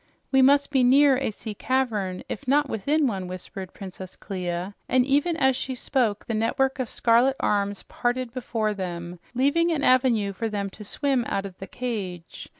"We must be near a sea cavern, if not within one," whispered Princess Clia, and even as she spoke the network of scarlet arms parted before them, leaving an avenue for them to swim out of the cage.